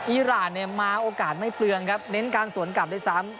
อีรานเนี่ยมาโอกาสไม่เปลืองครับเน้นการสวนกลับด้วยซ้ำ